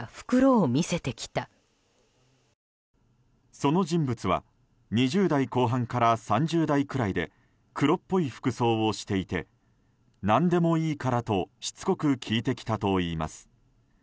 その人物は２０代後半から３０代くらいで黒っぽい服装をしていて何でもいいからとしつこく聞いてきたといいます。